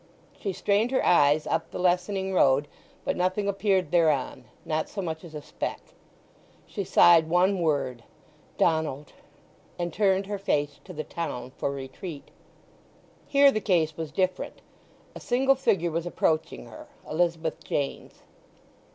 She strained her eyes up the lessening road, but nothing appeared thereon—not so much as a speck. She sighed one word—"Donald!" and turned her face to the town for retreat. Here the case was different. A single figure was approaching her—Elizabeth Jane's.